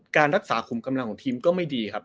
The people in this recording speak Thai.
การรักษาขุมกำลังของทีมก็ไม่ดีครับ